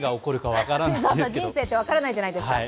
人生って分からないじゃないですか。